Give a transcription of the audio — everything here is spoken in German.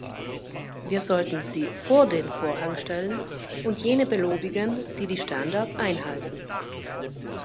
Wir sollten sie vor den Vorhang stellen und jene belobigen, die die Standards einhalten.